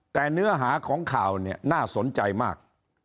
แต่เนื้อหาของข่าวเนี่ยน่าสนใจมาก